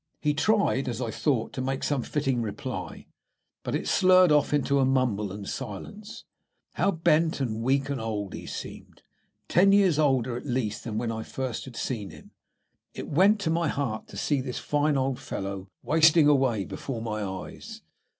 He tried, as I thought, to make some fitting reply, but it slurred off into a mumble and silence. How bent and weak and old he seemed ten years older at the least than when first I had seen him! It went to my heart to see this fine old fellow wasting away before my eyes.